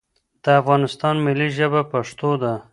دا افغانستان ملی ژبه پښتو ده